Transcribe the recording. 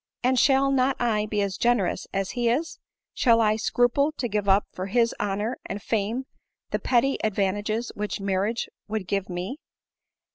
And shall not I be as generous as he is ? shall I scruple to give up for his honor and fame the petty advantages which marriage would give me